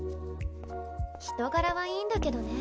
人柄はいいんだけどね。